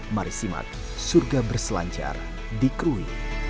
mari simak surga berselancar di krui